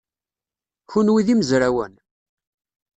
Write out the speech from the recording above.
Kenwi d imezrawen?